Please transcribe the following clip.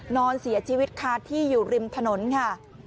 นอนเสียชีวิตคาที่อยู่ริมถนนค่ะ